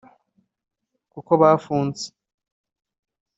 kuko bafunze